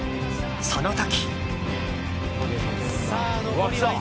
その時。